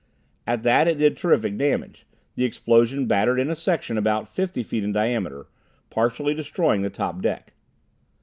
At that it did terrific damage. The explosion battered in a section about fifty feet in diameter, partially destroying the top deck.